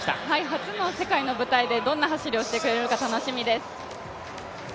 初の世界の舞台でどんな走りをしてくれるか、楽しみです。